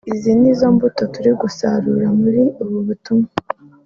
izo ni imbuto turimo gusarura muri ubu butumwa